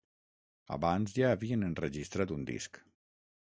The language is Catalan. Abans ja havien enregistrat un disc.